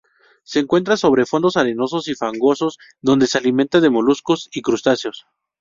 Se encuentra sobre fondos arenosos y fangosos, donde se alimenta de moluscos y crustáceos.